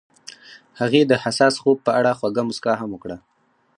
هغې د حساس خوب په اړه خوږه موسکا هم وکړه.